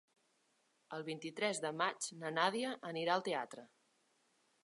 El vint-i-tres de maig na Nàdia anirà al teatre.